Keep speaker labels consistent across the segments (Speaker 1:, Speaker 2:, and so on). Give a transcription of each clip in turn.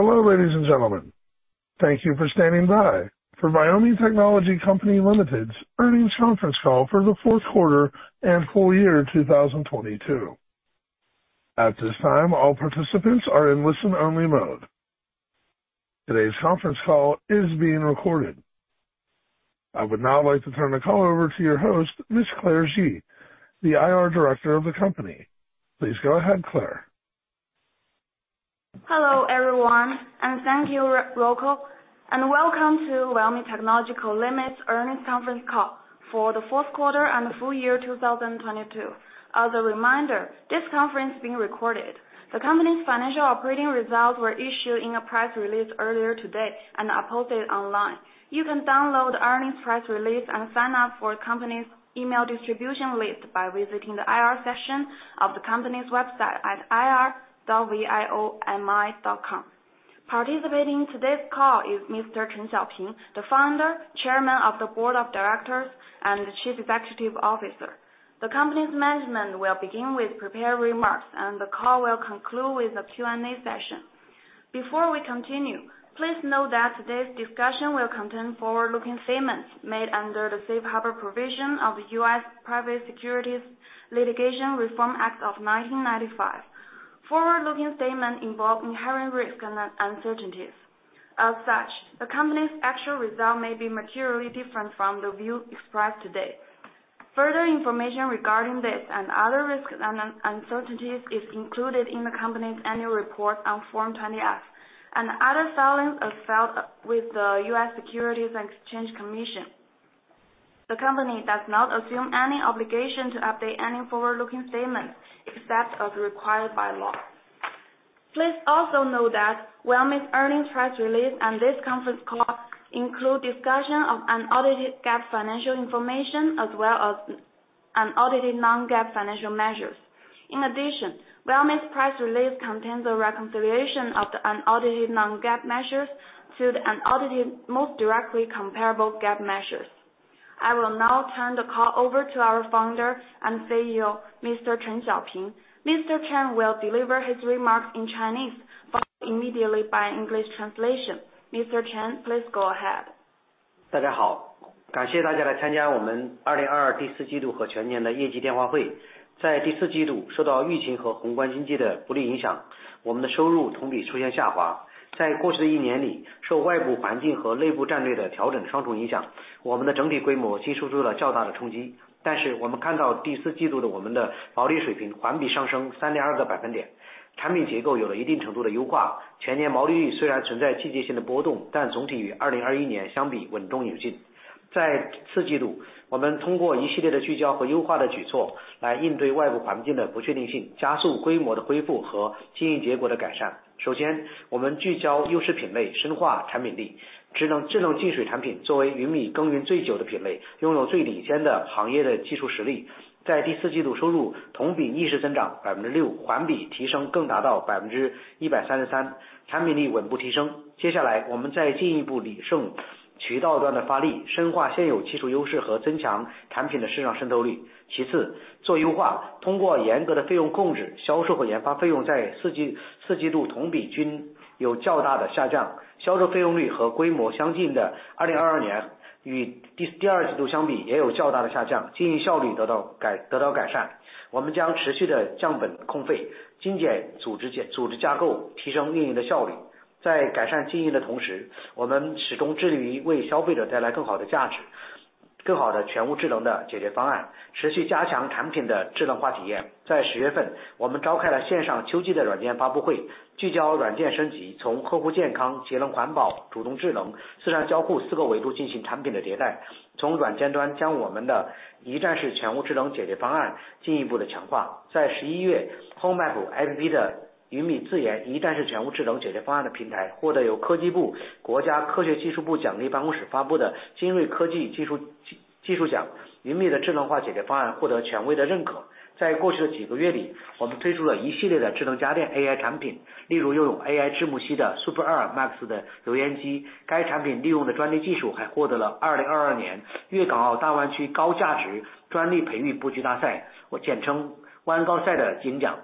Speaker 1: Hello, ladies and gentlemen, thank you for standing by, for Viomi Technology Co., Ltd's earnings conference call for the fourth quarter and full year 2022. At this time all participants are in listen only mode. Today's conference call is being recorded. I would now like to turn the call over to your host, Miss Claire Ji, the IR Director of the company. Please go ahead, Claire.
Speaker 2: Hello everyone, thank you, local, and welcome to Viomi Technology Company Limited's earnings conference call for the fourth quarter and full year 2022. As a reminder, this conference is being recorded. The company's financial operating results were issued in a press release earlier today and posted online. You can download the earnings press release and sign up for the company's email distribution list by visiting the IR section of the company's website at ir.viomi.com. Participating in today's call is Mr. Chen Xiaoping, the Founder, Chairman of the Board of Directors and Chief Executive Officer. The company's management will begin with prepared remarks and the call will conclude with a Q&A session. Before we continue, please note that today's discussion will contain forward-looking statements made under the safe harbor provision of the U.S. Private Securities Litigation Reform Act of 1995. Forward-looking statements involve inherent risks and uncertainties. As such, the company's actual results may be materially different from the views expressed today. Further information regarding this and other risks and uncertainties is included in the company's annual report on Form 20-F, and other filings are filed with the U.S. Securities and Exchange Commission. The company does not assume any obligation to update any forward-looking statements except as required by law. Please also note that Viomi's earnings press release and this conference call include discussion of unaudited GAAP financial information, as well as unaudited non-GAAP financial measures. In addition, Viomi's press release contains a reconciliation of the unaudited non-GAAP measures to the unaudited most directly comparable GAAP measures. I will now turn the call over to our Founder and CEO, Mr. Chen Xiaoping. Mr. Chen will deliver his remarks in Chinese, followed immediately by an English translation. Mr. Chen, please go ahead.
Speaker 3: 大家 好， 感谢大家来参加我们2022第四季度和全年的业绩电话会。在第四季 度， 受到疫情和宏观经济的不利影 响， 我们的收入同比出现下滑。在过去的一年 里， 受外部环境和内部战略的调整双重影 响， 我们的整体规模经历受到了较大的冲击。但是我们看到第四季度的我们的毛利水平环比上升三点二个百分 点， 产品结构有了一定程度的优化。全年毛利率虽然存在季节性的波动 ，但 总体与2021年相比稳中前进。在次季 度， 我们通过一系列的聚焦和优化的举措来应对外部环境的不确定 性， 加速规模的恢复和经营结果的改善。首 先， 我们聚焦优势品 类， 深化产品力。智 能， 智能净水产品作为云米耕耘最久的品 类， 拥有最领先的行业的技术实力。在第四季度收入同比逆势增长百分之 六， 环比提升更达到百分之一百三十 三， 产品力稳步提升。接下来我们再进一步理顺渠道端的发力 ，深 化现有技术优势和增强产品的市场渗透率。其 次， 做优化。通过严格的费用控 制， 销售和研发费用在四 季， 四季度同比均有较大的下降。销售费用率和规模相近的2022年与 第， 第二季度相比也有较大的下降 ，经 营效率得到 改， 得到改善。我们将持续地降本控 费， 精简组织 建， 组织架 构， 提升运营的效率。在改善经营的同 时， 我们始终致力于为消费者带来更好的价 值， 更好的全屋智能的解决方 案， 持续加强产品的智能化体验。在十月 份， 我们召开了线上秋季的软件发布 会， 聚焦软件升 级， 从客户健康、节能环保、主动智能、时尚交互四个维度进行产品的迭 代， 从软件端将我们的一站式全屋智能解决方案进一步的强化。在十一月 ，Home App 的云米自研一站式全屋智能解决方案的平台获得由科技部国家科学技术部奖励办公室发布的精锐科技技 术， 技， 技术奖。云米的智能化解决方案获得权威的认可。在过去的几个月 里， 我们推出了一系列的智能家电 AI 产 品， 例如拥有 AI 智幕息的 Super Air Max 的油烟 机， 该产品利用的专利技术还获得了2022年粤港澳大湾区高价值专利培育布局大赛或简称湾高赛的金奖。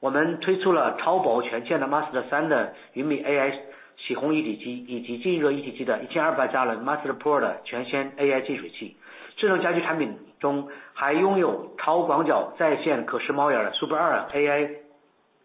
Speaker 3: 我们推出了超薄全线的 Master 3的云米 AI 洗烘一体 机， 以及静音一体机的1200加仑 Master Pro 的全线 AI 净水器。智能家居产品中还拥有超广角在线可视门锁 Super Air AI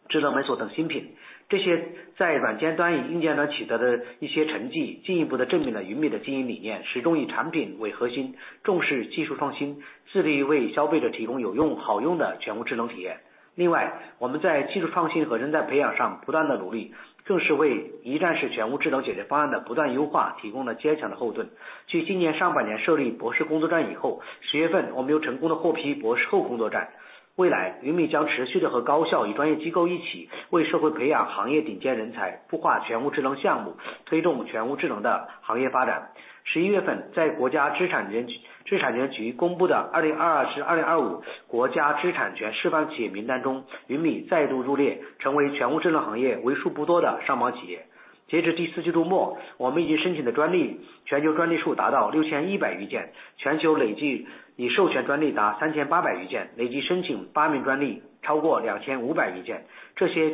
Speaker 3: 智能门锁等新品。这些在软件端与硬件端取得的一些成 绩， 进一步地证明了云米的经营理 念， 始终以产品为核 心， 重视技术创 新， 致力为消费者提供有用好用的全屋智能体验。另 外， 我们在技术创新和人才培养上不断的努 力， 更是为一站式全屋智能解决方案的不断优化提供了坚强的后盾。继今年上半年设立博士工作站以 后， 十月份我们又成功地获批博士后工作站。未 来， 云米将持续地和高校与专业机构一起为社会培养行业顶尖人 才， 孵化全屋智能项 目， 推动全屋智能的行业发展。十一月 份， 在国家知识产权局，知识产权局公布的 2022-2025 国家知识产权示范企业名单 中， 云米再度入 列， 成为全屋智能行业为数不多的上榜企业。We have reached the fourth quarter. We have applied for patents, and the number of global patents has reached more than 6,100. The cumulative number of granted patents is more than 3,800, and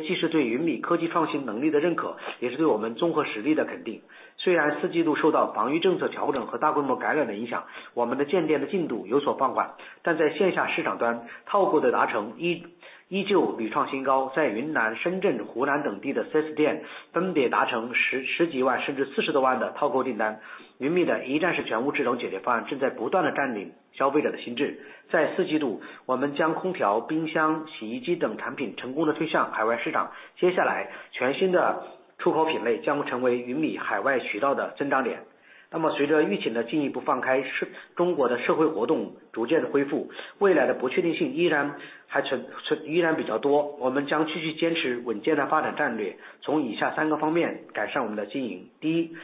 Speaker 3: 8 patents have been applied for, exceeding 2,500. These are not only recognition of Yunmi's technological innovation capabilities, but also affirmation of our comprehensive strength. Although in the fourth quarter, we were affected by the adjustment of defense policies and large-scale outbreaks. Our store opening progress slowed down, but in the offline market terminal orders achieved new highs again. In Shenzhen, Hunan, and other provinces, the service stores have achieved tens of millions, even more than CNY 40 million orders. Yunmi's one-stop whole-house intelligent solution is constantly occupying consumers' minds. In the fourth quarter, we successfully launched air conditioners, refrigerators, washing machines, and other products into overseas markets. Next, new export categories will become the growth point of Yunmi's overseas channels. As epidemic prevention measures are further relaxed, and China's social activities gradually recover, uncertainties for the future still remain significant. We will continue to adhere to a stable development strategy and improve our operations in the following three aspects.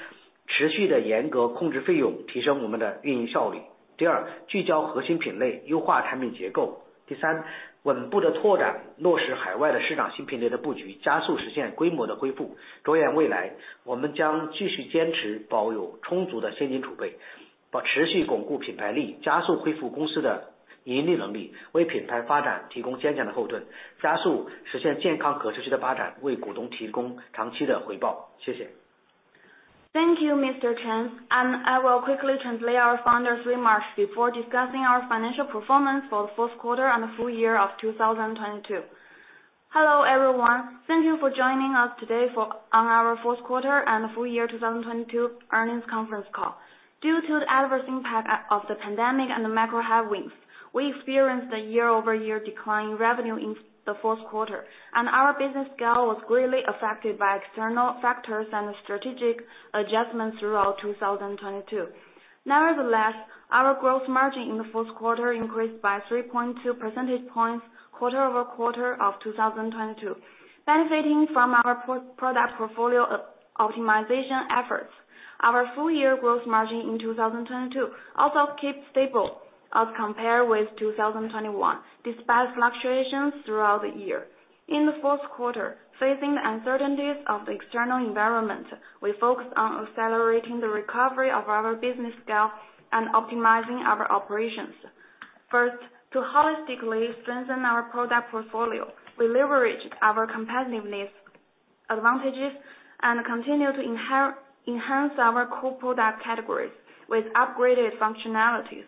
Speaker 3: First, strictly control costs and improve our operational efficiency. Second, focus on core categories and optimize product structure. Third, steadily promote the implementation of overseas market new category layouts and accelerate the restoration of scale. Looking to the future, we will continue to maintain sufficient cash reserves, continuously strengthen brand awareness, and accelerate the restoration of the company's profitability to provide a solid foundation for brand development, and accelerate the realization of healthy and sustainable development to provide shareholders with long-term returns. Thank you.
Speaker 2: Thank you, Mr. Chen. I will quickly translate our founder's remarks before discussing our financial performance for the fourth quarter and the full year of 2022. Hello, everyone. Thank you for joining us today on our fourth quarter and full year 2022 earnings conference call. Due to the adverse impact of the pandemic and the macro headwinds, we experienced a year-over-year decline in revenue in the fourth quarter, and our business scale was greatly affected by external factors and strategic adjustments throughout 2022. Nevertheless, our growth margin in the fourth quarter increased by 3.2 percentage points quarter-over-quarter of 2022. Benefiting from our pro-product portfolio optimization efforts, our full year growth margin in 2022 also kept stable as compared with 2021, despite fluctuations throughout the year. In the fourth quarter, facing the uncertainties of the external environment, we focused on accelerating the recovery of our business scale and optimizing our operations. First, to holistically strengthen our product portfolio, we leveraged our competitiveness advantages and continued to enhance our core product categories with upgraded functionalities.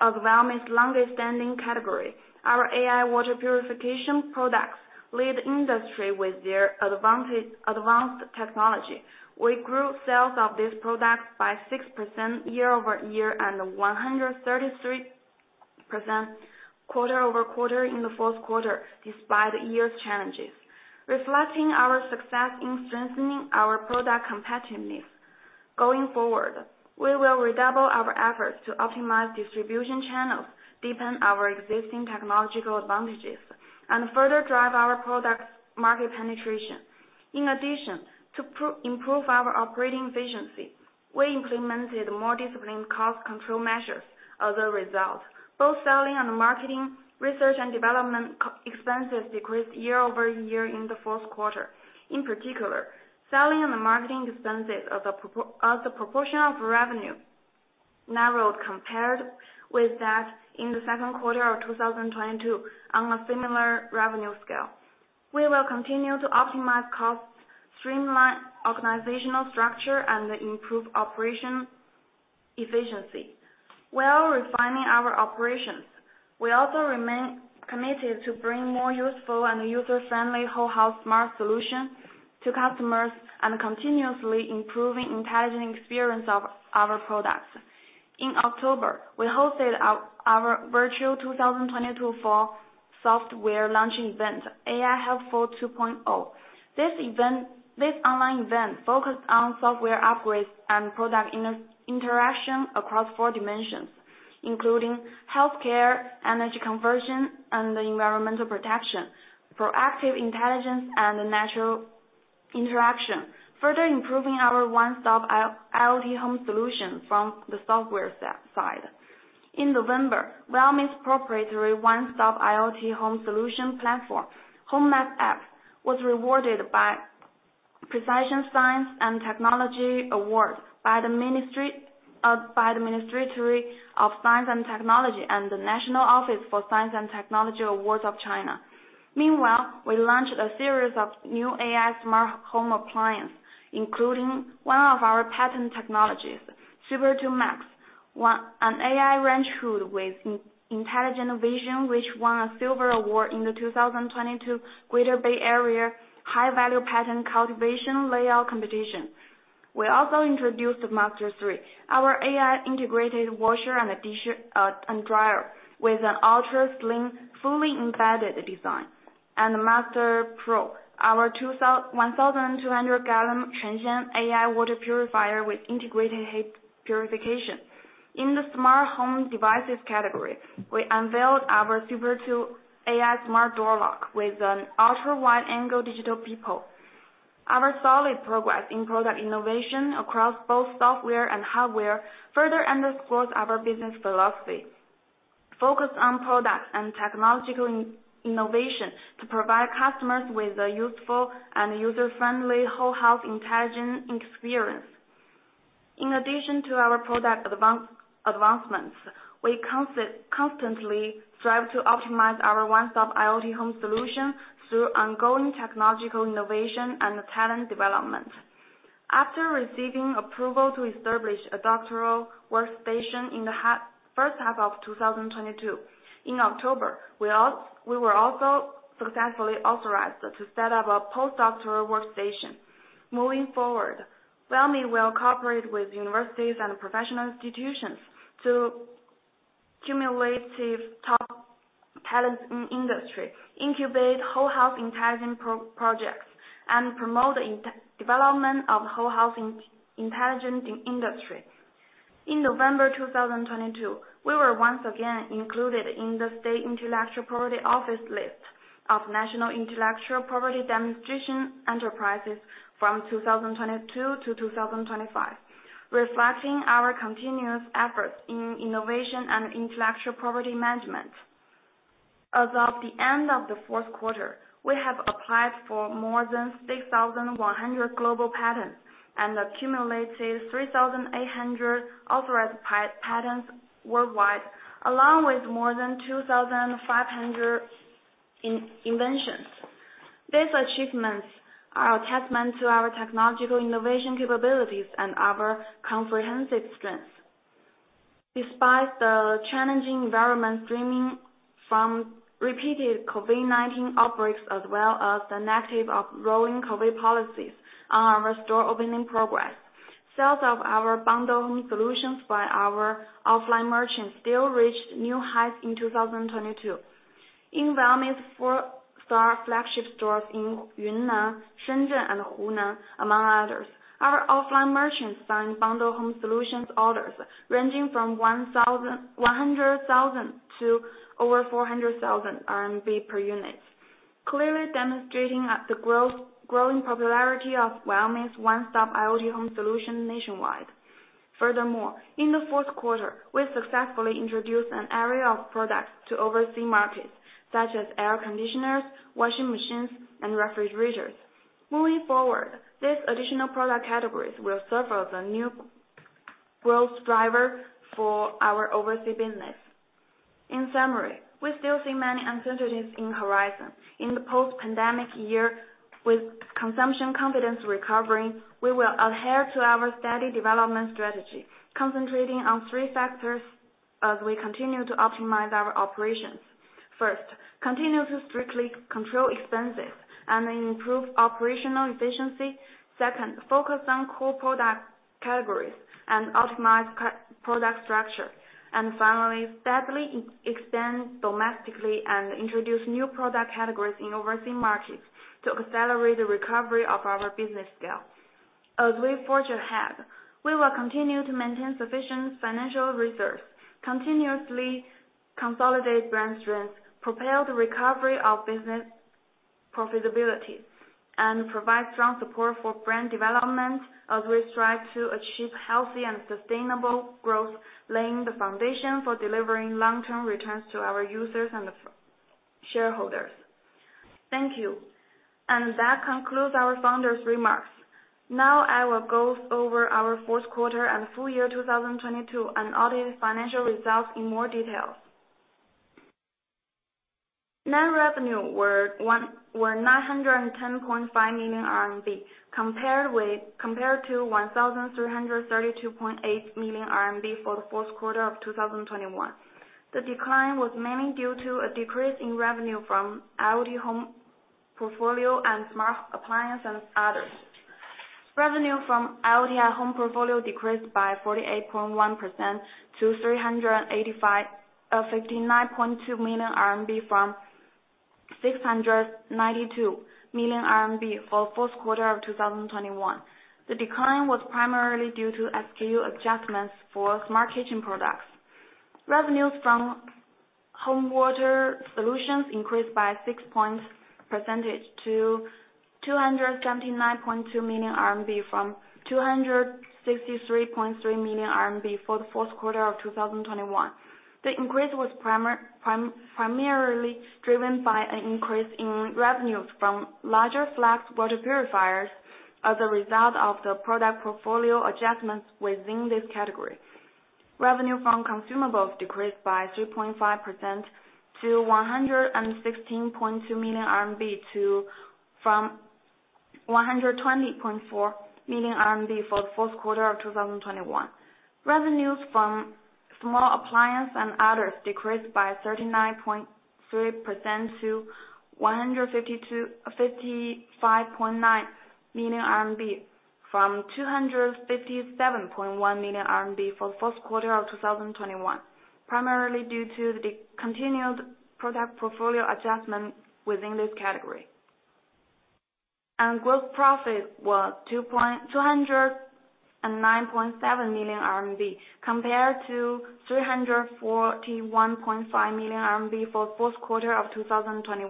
Speaker 2: As Viomi's longest standing category, our AI water purification products lead the industry with their advanced technology. We grew sales of these products by 6% year-over-year and 133% quarter-over-quarter in the fourth quarter, despite the year's challenges, reflecting our success in strengthening our product competitiveness. Going forward, we will redouble our efforts to optimize distribution channels, deepen our existing technological advantages, and further drive our products market penetration. In addition, to improve our operating efficiency, we implemented more disciplined cost control measures as a result. Both selling and marketing, research and development expenses decreased year-over-year in the fourth quarter. In particular, selling and marketing expenses as a proportion of revenue narrowed compared with that in the second quarter of 2022 on a similar revenue scale. We will continue to optimize costs, streamline organizational structure, and improve operation efficiency. While refining our operations, we also remain committed to bring more useful and user-friendly whole house smart solution to customers and continuously improving intelligent experience of our products. In October, we hosted our virtual 2022 fall software launching event, AI: Helpful 2.0. This online event focused on software upgrades and product inter-interaction across four dimensions, including healthcare, energy conversion, and environmental protection, proactive intelligence, and natural interaction, further improving our one-stop IoT @ Home solution from the software side. In November, Viomi's proprietary one-stop IoT home solution platform, Home App, was rewarded by Precision Science and Technology Award by the Ministry of Science and Technology and the National Office for Science and Technology Awards. Meanwhile, we launched a series of new AI smart home appliance, including one of our patent technologies, Super Air Max, an AI range hood with intelligent vision, which won a silver award in the 2022 Greater Bay Area High Value Patent Cultivation Layout Competition. We also introduced Master 3, our AI integrated washer and dryer with an ultra slim, fully embedded design. Master Pro, our 1,200 gallon AI water purifier with integrated heat purification. In the smart home devices category, we unveiled our Guard AI smart door lock with an ultra wide angle digital peephole. Our solid progress in product innovation across both software and hardware further underscores our business philosophy. Focus on product and technological innovation to provide customers with a useful and user-friendly whole house intelligent experience. In addition to our product advancements, we constantly strive to optimize our one-stop IoT home solution through ongoing technological innovation and talent development. After receiving approval to establish a doctoral workstation in the first half of 2022, in October, we were also successfully authorized to set up a postdoctoral workstation. Moving forward, Viomi will cooperate with universities and professional institutions to cumulative top talent in industry, incubate whole house intelligent projects, and promote development of whole house intelligent in industry. In November 2022, we were once again included in the State Intellectual Property Office list of National Intellectual Property Demonstration Enterprises from 2022-2025, reflecting our continuous efforts in innovation and intellectual property management. As of the end of the fourth quarter, we have applied for more than 6,100 global patents and accumulated 3,800 authorized patents worldwide, along with more than 2,500 inventions. These achievements are a testament to our technological innovation capabilities and our comprehensive strength. Despite the challenging environment stemming from repeated COVID-19 outbreaks as well as the negative of growing COVID policies on our store opening progress, sales of our bundled home solutions by our offline merchants still reached new heights in 2022. In Viomi's four-star flagship stores in Yunnan, Shenzhen, and Hunan, among others, our offline merchants signed bundled home solutions orders ranging from 100,000 to over 400,000 RMB per unit, clearly demonstrating growing popularity of Viomi's one-stop IoT home solution nationwide. In the fourth quarter, we successfully introduced an array of products to overseas markets such as air conditioners, washing machines, and refrigerators. These additional product categories will serve as a new growth driver for our overseas business. We still see many uncertainties in horizon. In the post-pandemic year, with consumption confidence recovering, we will adhere to our steady development strategy, concentrating on 3 factors as we continue to optimize our operations. Continue to strictly control expenses and improve operational efficiency. Focus on core product categories and optimize co-product structure. Finally, steadily expand domestically and introduce new product categories in overseas markets to accelerate the recovery of our business scale. As we forge ahead, we will continue to maintain sufficient financial reserves, continuously consolidate brand strength, propel the recovery of business profitability, and provide strong support for brand development as we strive to achieve healthy and sustainable growth, laying the foundation for delivering long-term returns to our users and the shareholders. Thank you. That concludes our founder's remarks. Now I will go over our fourth quarter and full year 2022 and audited financial results in more details. Net revenue were 910.5 million RMB, compared to 1,332.8 million RMB for the fourth quarter of 2021. The decline was mainly due to a decrease in revenue from IoT @ Home portfolio and smart appliance, and others. Revenue from IoT @ Home portfolio decreased by 48.1% to 359.2 million RMB from 692 million RMB for fourth quarter of 2021. The decline was primarily due to SKU adjustments for smart kitchen products. Revenues from Home Water Solutions increased by 6 points percentage to 279.2 million RMB from 263.3 million RMB for the fourth quarter of 2021. The increase was primarily driven by an increase in revenues from larger flux water purifiers as a result of the product portfolio adjustments within this category. Revenue from consumables decreased by 3.5% to RMB 116.2 million from 120.4 million RMB for the fourth quarter of 2021. Revenues from small appliance and others decreased by 39.3% to 55.9 million RMB from 257.1 million RMB for the first quarter of 2021, primarily due to the continued product portfolio adjustment within this category. Gross profit was 209.7 million RMB compared to 341.5 million RMB for fourth quarter of 2021.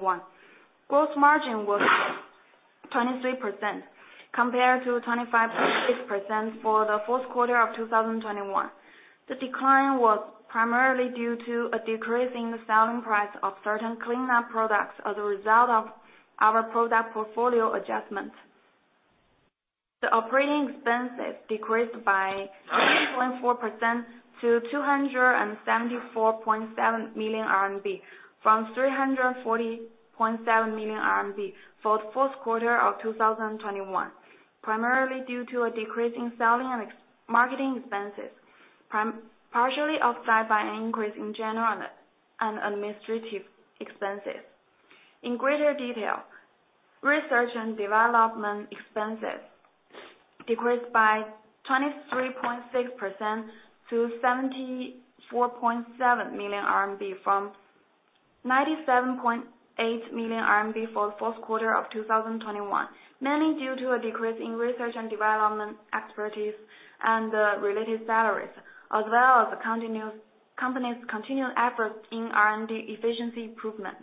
Speaker 2: Gross margin was 23% compared to 25.6% for the fourth quarter of 2021. The decline was primarily due to a decrease in the selling price of certain cleanup products as a result of our product portfolio adjustment. The operating expenses decreased by 20.4% to 274.7 million RMB from 340.7 million RMB for the fourth quarter of 2021, primarily due to a decrease in selling and marketing expenses, partially offset by an increase in general and administrative expenses. In greater detail, research and development expenses decreased by 23.6% to 74.7 million RMB from 97.8 million RMB for the fourth quarter of 2021, mainly due to a decrease in research and development expertise and related salaries, as well as the company's continued efforts in R&D efficiency improvement.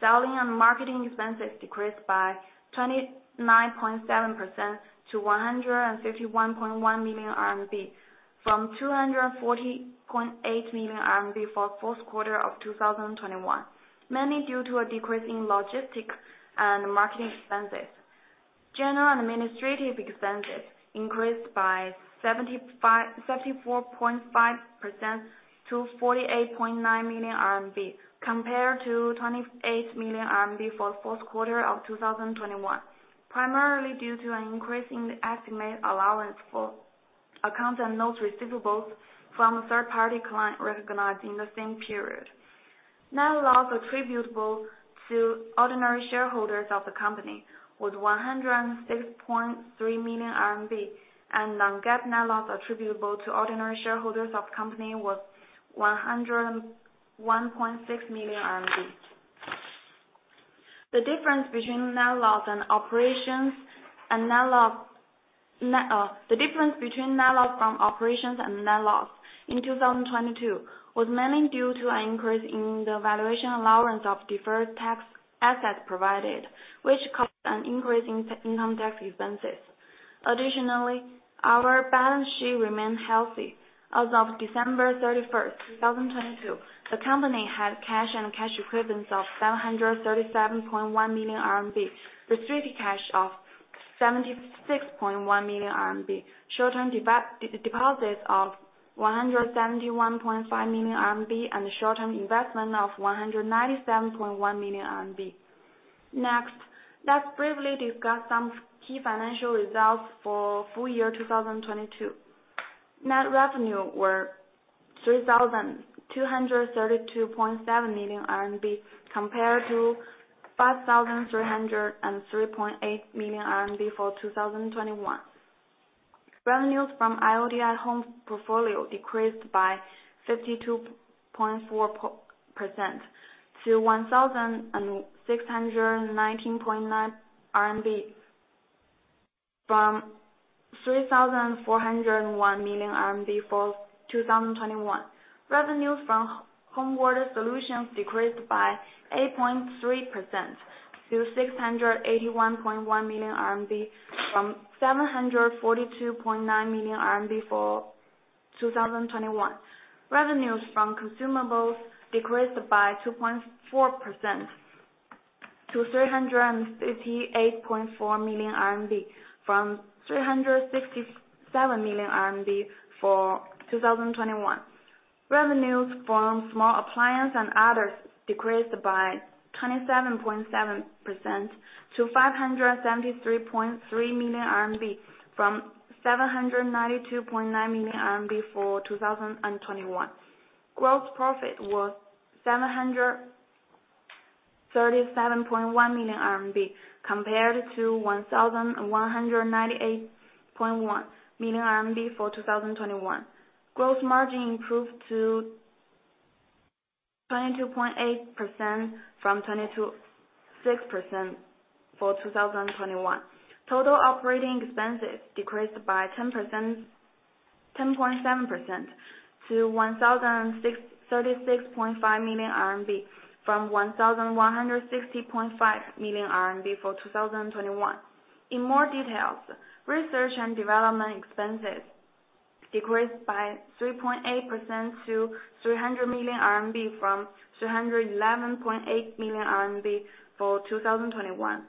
Speaker 2: Selling and marketing expenses decreased by 29.7% to 151.1 million RMB from 240.8 million RMB for the fourth quarter of 2021, mainly due to a decrease in logistic and marketing expenses. General administrative expenses increased by 74.5% to 48.9 million RMB compared to 28 million RMB for the fourth quarter of 2021, primarily due to an increase in the estimated allowance for accounts and notes receivables from a third-party client recognized in the same period. Net loss attributable to ordinary shareholders of the company was RMB 106.3 million, non-GAAP net loss attributable to ordinary shareholders of company was 101.6 million RMB. The difference between net loss and operations and the difference between net loss from operations and net loss in 2022 was mainly due to an increase in the valuation allowance of deferred tax assets provided, which caused an increase in income tax expenses. Our balance sheet remained healthy. As of December 31, 2022, the company had cash and cash equivalents of 737.1 million RMB, restricted cash of 76.1 million RMB, short-term deposits of 171.5 million RMB, and short-term investment of 197.1 million RMB. Let's briefly discuss some key financial results for full year 2022. Net revenue were 3,232.7 million RMB compared to 5,303.8 million RMB for 2021. Revenues from IoT @ Home portfolio decreased by 52.4% to 1,619.9 RMB from 3,401 million RMB for 2021. Revenues from Home Water Solutions decreased by 8.3% to 681.1 million RMB from 742.9 million RMB for 2021. Revenues from consumables decreased by 2.4% to 338.4 million RMB from 367 million RMB for 2021. Revenues from small appliance and others decreased by 27.7% to 573.3 million RMB from 792.9 million RMB for 2021. Gross profit was RMB 737.1 million compared to 1,198.1 million RMB for 2021. Gross margin improved to 22.8% from 22.6% for 2021. Total operating expenses decreased by 10.7% to 1,136.5 million RMB from 1,160.5 million RMB for 2021. In more details, research and development expenses decreased by 3.8% to 300 million RMB from 311.8 million RMB for 2021.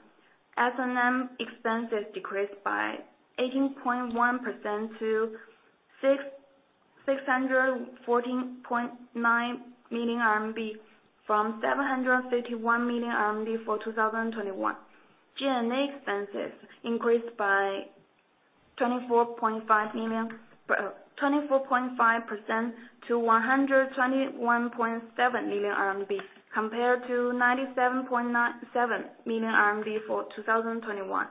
Speaker 2: S&M expenses decreased by 18.1% to 614.9 million RMB from 751 million RMB for 2021. G&A expenses increased by 24.5% to 121.7 million RMB compared to 97.97 million RMB for 2021.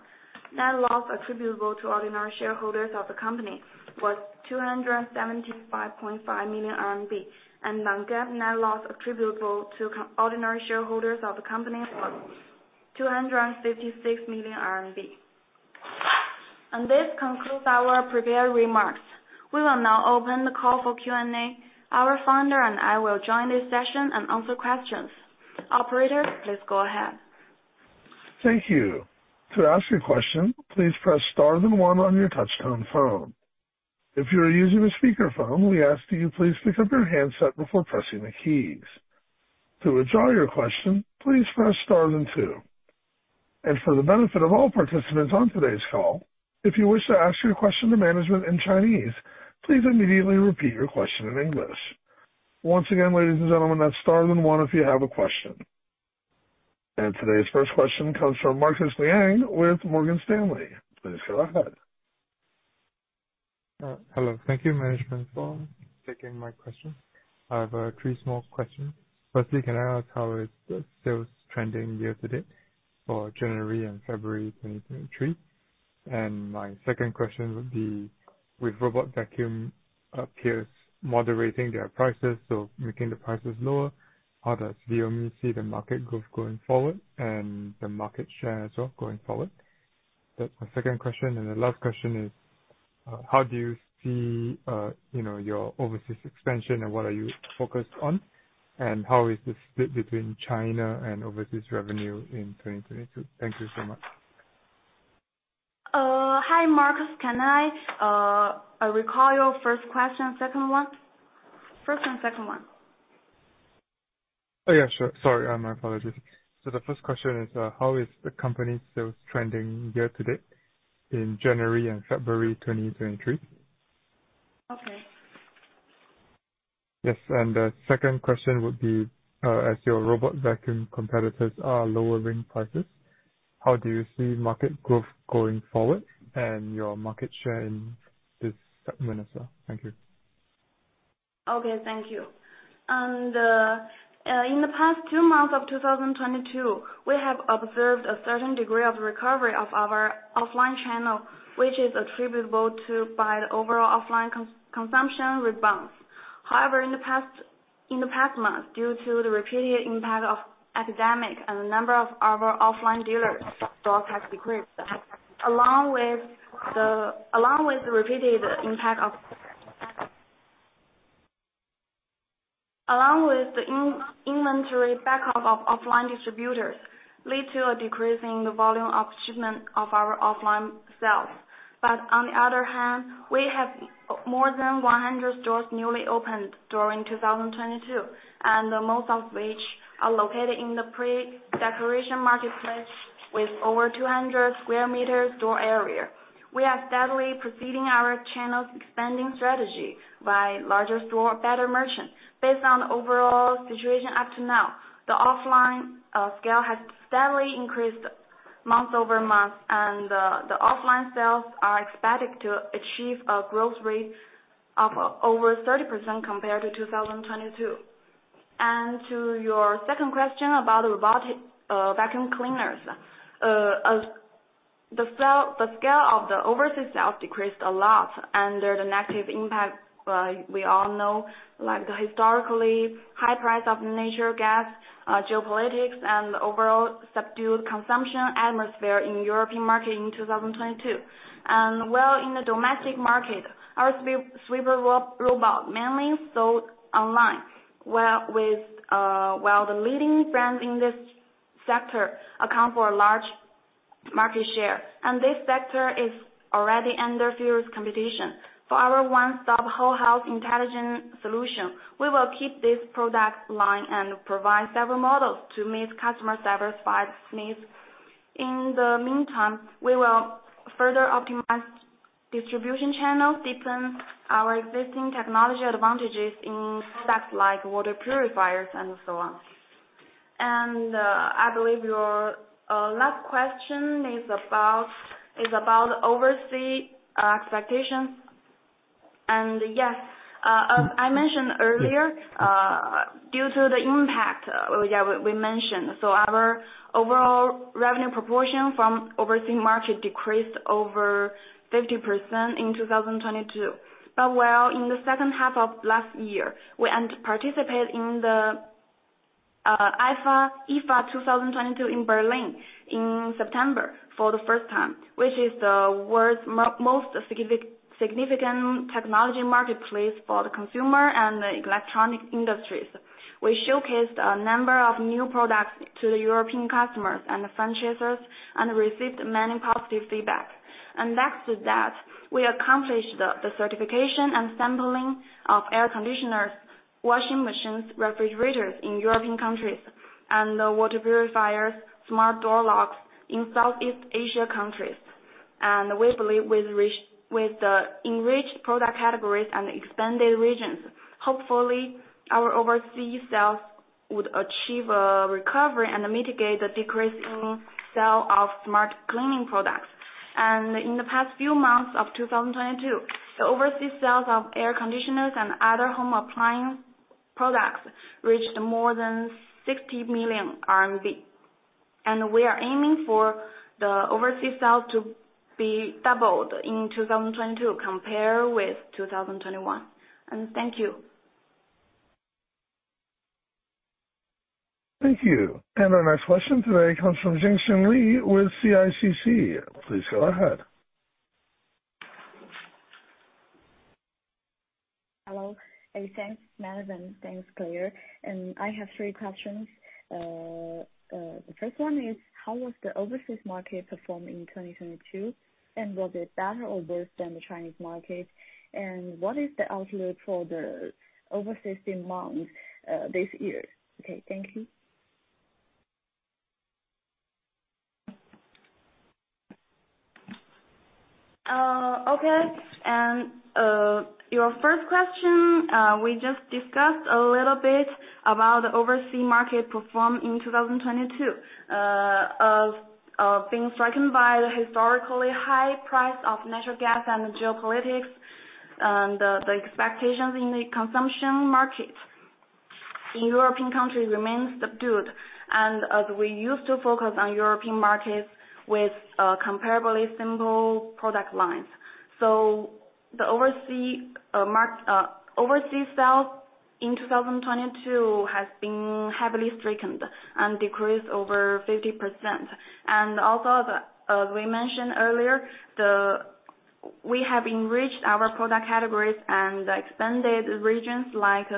Speaker 2: Net loss attributable to ordinary shareholders of the company was 275.5 million RMB, and non-GAAP net loss attributable to co-ordinary shareholders of the company was 256 million RMB. This concludes our prepared remarks. We will now open the call for Q&A. Our founder and I will join this session and answer questions. Operator, please go ahead.
Speaker 1: Thank you. To ask a question, please press star one on your touchtone phone. If you are using a speaker phone, we ask that you please pick up your handset before pressing the keys. To withdraw your question, please press star two. For the benefit of all participants on today's call, if you wish to ask your question to management in Chinese, please immediately repeat your question in English. Once again, ladies and gentlemen, that's star one if you have a question. Today's first question comes from Marcus Liang with Morgan Stanley. Please go ahead.
Speaker 4: Hello. Thank you, management, for taking my question. I have three small questions. Firstly, can I ask how is the sales trending year-to-date for January and February 2023? My second question would be, with robot vacuum peers moderating their prices, so making the prices lower, how does Viomi see the market growth going forward and the market share as well going forward? That's my second question. The last question is, how do you see, you know, your overseas expansion and what are you focused on? How is the split between China and overseas revenue in 2022? Thank you so much.
Speaker 2: Hi, Marcus. Can I recall your first question, second one? First and second one.
Speaker 4: My apologies. The first question is, how is the company sales trending year-to-date in January and February 2023?
Speaker 2: Okay.
Speaker 4: Yes. The second question would be, as your robot vacuum competitors are lowering prices, how do you see market growth going forward and your market share in this segment as well? Thank you.
Speaker 2: Okay, thank you. In the past 2 months of 2022, we have observed a certain degree of recovery of our offline channel, which is attributable to by the overall offline consumption rebound. However, in the past months, due to the repeated impact of epidemic and the number of our offline dealers, stores have decreased. Along with the repeated impact of. Along with the inventory backup of offline distributors lead to a decrease in the volume of shipment of our offline sales. On the other hand, we have more than 100 stores newly opened during 2022, and most of which are located in the pre-decoration marketplace with over 200 square meters store area. We are steadily proceeding our channels expanding strategy by larger store, better merchant. Based on overall situation up to now, the offline scale has steadily increased month-over-month and the offline sales are expected to achieve a growth rate of over 30% compared to 2022. To your second question about robotic vacuum cleaners. The scale of the overseas sales decreased a lot under the negative impact, we all know, like the historically high price of natural gas, geopolitics and the overall subdued consumption atmosphere in European market in 2022. Well, in the domestic market, our sweeper robot mainly sold online, where with, while the leading brand in this sector account for a large market share. This sector is already under fierce competition. For our one-stop whole house intelligent solution, we will keep this product line and provide several models to meet customer diversified needs. In the meantime, we will further optimize distribution channels, deepen our existing technology advantages in products like water purifiers and so on. I believe your last question is about overseas expectations. Yes, as I mentioned earlier, due to the impact, we mentioned, so our overall revenue proportion from overseas market decreased over 50% in 2022. Well, in the second half of last year, we went to participate in the IFA 2022 in Berlin in September for the first time, which is the world's most significant technology marketplace for the consumer and the electronic industries. We showcased a number of new products to the European customers and the franchisers and received many positive feedback. Next to that, we accomplished the certification and sampling of air conditioners, washing machines, refrigerators in European countries and the water purifiers, smart door locks in Southeast Asia countries. We believe with the enriched product categories and expanded regions, hopefully our overseas sales would achieve recovery and mitigate the decrease in sale of smart cleaning products. In the past few months of 2022, the overseas sales of air conditioners and other home appliance products reached more than 60 million RMB. We are aiming for the overseas sales to be doubled in 2022 compared with 2021. Thank you.
Speaker 1: Thank you. Our next question today comes from Wei He with CICC. Please go ahead.
Speaker 5: Hello. Thanks, Madam. Thanks, Claire. I have three questions. The first one is: How was the overseas market perform in 2022? Was it better or worse than the Chinese market? What is the outlook for the overseas demand this year? Okay, thank you.
Speaker 2: Okay. Your first question, we just discussed a little bit about the oversea market perform in 2022. Being stricken by the historically high price of natural gas and the geopolitics, the expectations in the consumption market in European countries remains subdued. As we used to focus on European markets with comparably simple product lines. The oversea sales in 2022 has been heavily stricken and decreased over 50%. As we mentioned earlier, We have enriched our product categories and expanded regions like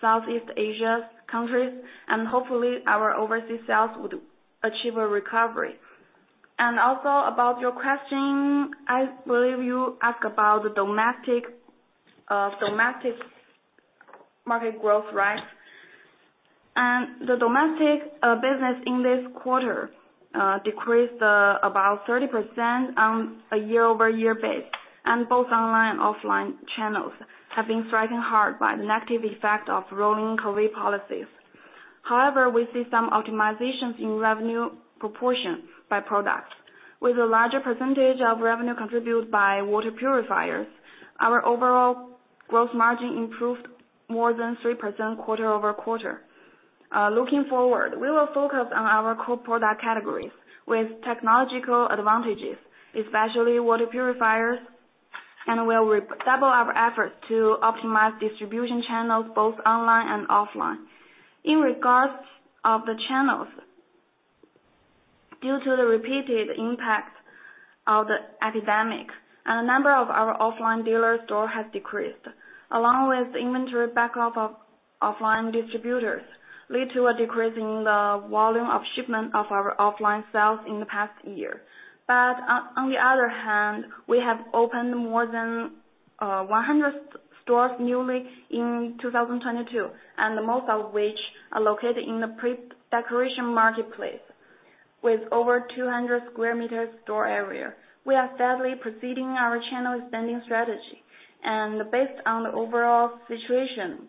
Speaker 2: Southeast Asia's countries, and hopefully, our oversea sales would achieve a recovery. About your question, I believe you ask about the domestic domestic market growth, right? The domestic business in this quarter decreased about 30% on a year-over-year base. Both online and offline channels have been striking hard by the negative effect of rolling COVID policies. However, we see some optimizations in revenue proportion by product. With a larger percentage of revenue contributed by water purifiers, our overall growth margin improved more than 3% quarter-over-quarter. Looking forward, we will focus on our core product categories with technological advantages, especially water purifiers, and we'll re-double our efforts to optimize distribution channels both online and offline. In regards of the channels, due to the repeated impact of the epidemic, a number of our offline dealer store has decreased. Along with inventory backup of offline distributors lead to a decrease in the volume of shipment of our offline sales in the past year. On the other hand, we have opened more than 100 stores newly in 2022, and most of which are located in the pre-decoration marketplace with over 200 square meters store area. We are steadily proceeding our channel expanding strategy. Based on the overall situation,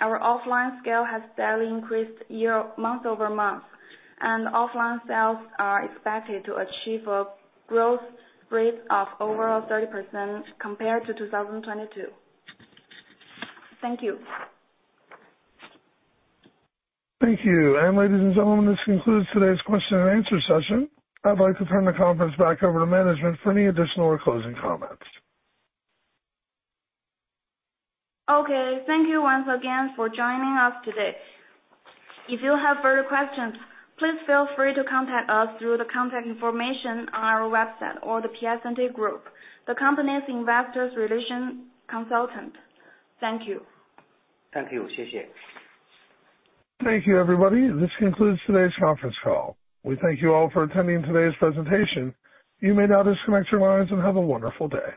Speaker 2: our offline scale has barely increased month-over-month, and offline sales are expected to achieve a growth rate of over 30% compared to 2022. Thank you.
Speaker 1: Thank you. Ladies and gentlemen, this concludes today's question and answer session. I'd like to turn the conference back over to management for any additional or closing comments.
Speaker 2: Thank you once again for joining us today. If you have further questions, please feel free to contact us through the contact information on our website or The Piacente Group, the company's investor relations consultant. Thank you.
Speaker 3: Thank you.
Speaker 1: Thank you, everybody. This concludes today's conference call. We thank you all for attending today's presentation. You may now disconnect your lines and have a wonderful day.